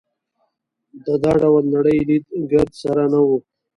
دا ډول نړۍ لید ګرد سره نه وو.